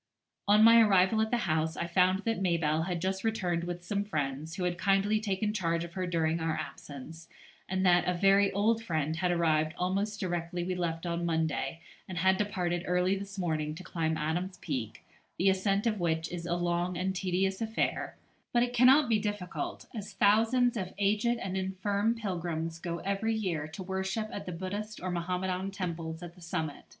] On my arrival at the house I found that Mabelle had just returned with some friends, who had kindly taken charge of her during our absence, and that a very old friend had arrived almost directly we left on Monday, and had departed early this morning to climb Adam's Peak, the ascent of which is a long and tedious affair, but it cannot be difficult, as thousands of aged and infirm pilgrims go every year to worship at the Buddhist or Mohammedan temples at the summit.